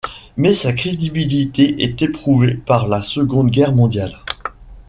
Mais sa crédibilité est éprouvée par la Seconde Guerre mondiale.